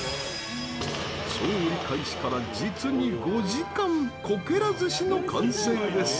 調理開始から実に５時間「こけら寿司」の完成です。